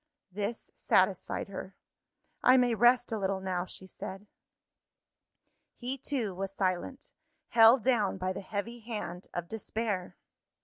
This satisfied her. "I may rest a little now," she said. He too was silent; held down by the heavy hand of despair.